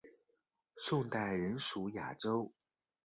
宋代仍属雅州。